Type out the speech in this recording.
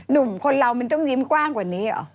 หนุ่มคนเรามันต้องยิ้มกว้างกว่านี้เหรอ